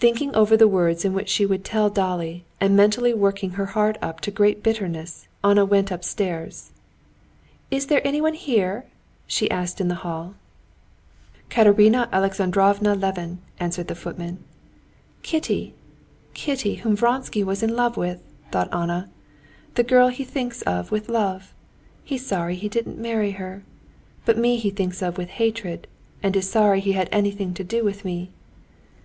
Thinking over the words in which she would tell Dolly, and mentally working her heart up to great bitterness, Anna went upstairs. "Is there anyone with her?" she asked in the hall. "Katerina Alexandrovna Levin," answered the footman. "Kitty! Kitty, whom Vronsky was in love with!" thought Anna, "the girl he thinks of with love. He's sorry he didn't marry her. But me he thinks of with hatred, and is sorry he had anything to do with me."